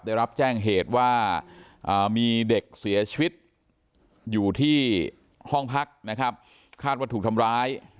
ได้รับแจ้งเหตุว่ามีเด็กเสียชีวิตอยู่ที่ห้องพักนะครับคาดว่าถูกทำร้าย